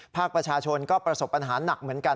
ภาคประชาชนก็ประสบปัญหาหนักเหมือนกัน